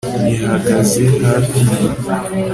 yahagaze hafi ye